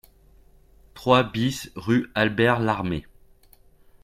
trois BIS rue Albert Larmé